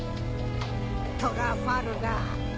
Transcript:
トラファルガー。